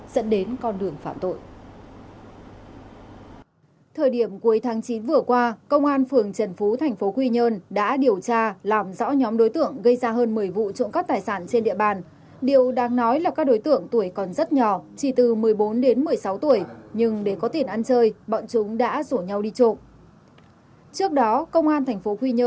cả ba bị cáo đều phạm tội vi phạm quy định về quản lý sử dụng tài sản nhà nước gây thất thoát lãng phí